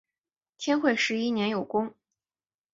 天会十一年有功。